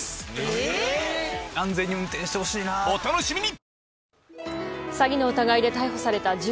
お楽しみに！